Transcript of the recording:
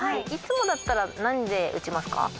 いつもだったら何で打ちますか？